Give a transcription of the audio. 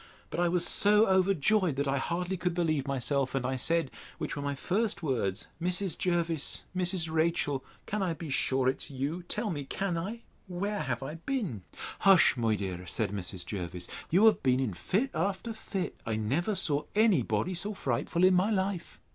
But I was so overjoyed, that I hardly could believe myself; and I said, which were my first words, Mrs. Jervis, Mrs. Rachel, can I be sure it is you? Tell me! can I?—Where have I been? Hush, my dear, said Mrs. Jervis; you have been in fit after fit. I never saw any body so frightful in my life!